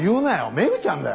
メグちゃんだよ！？